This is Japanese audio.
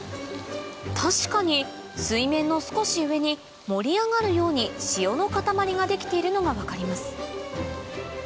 確かに水面の少し上に盛り上がるように塩の塊が出来ているのが分かります